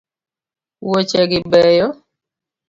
Wuoche gi beyo